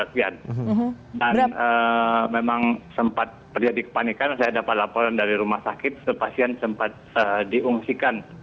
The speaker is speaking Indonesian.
dan memang sempat terjadi kepanikan saya dapat laporan dari rumah sakit sepasien sempat diungsikan